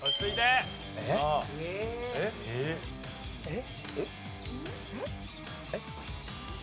えっ？